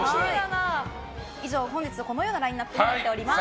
以上、本日はこのようなラインアップになっております。